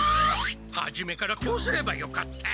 はじめからこうすればよかった。